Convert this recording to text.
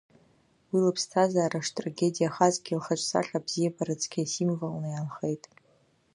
Уи лыԥсҭазаара штрагедиахазгьы лхаҿсахьа абзиабара цқьа иасимволны иаанхеит.